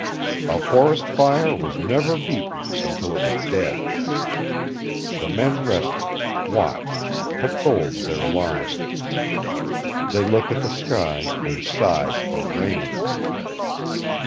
A forest fire was never beaten until it was dead. The men rested, watched, patrolled their line. They looked at the sky and sighed for rain.